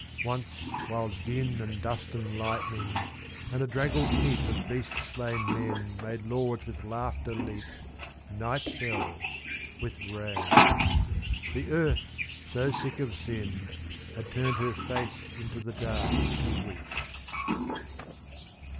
Once while din And dust and lightnings, and a draggled heap Of beast slain men made lords with laughter leap, Night fell, with rain. The earth, so sick of sin, Had turned her face into the dark to weep.